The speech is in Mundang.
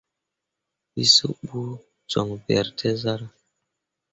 Wǝ suɓu joŋ beere te zarah.